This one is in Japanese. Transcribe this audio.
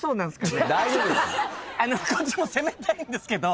こっちも責めたいんですけど。